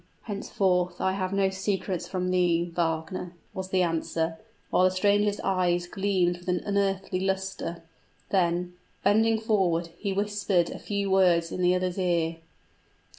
"Henceforth I have no secrets from thee, Wagner," was the answer, while the stranger's eyes gleamed with unearthly luster; then, bending forward, he whispered a few words in the other's ear.